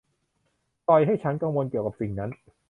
ปล่อยให้ฉันกังวลเกี่ยวกับสิ่งนั้น